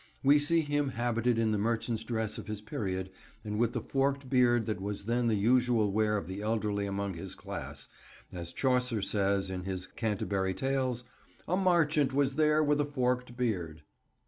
We see him habited in the merchant's dress of his period, and with the forked beard that was then the usual wear of the elderly among his class, as Chaucer says, in his Canterbury Tales: "A marchant was there with a forked beard."